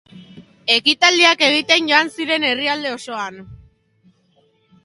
Ekitaldiak egiten joan ziren herrialde osoan.